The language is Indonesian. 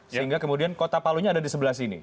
sehingga kemudian kota palunya ada di sebelah sini